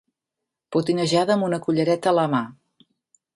Potinejada amb una cullereta a la mà.